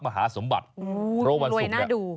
มหาสมบัติเพราะวันศุกร์